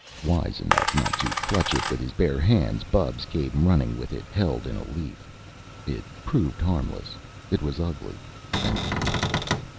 Wise enough not to clutch it with his bare hands, Bubs came running with it held in a leaf. It proved harmless. It was ugly and beautiful.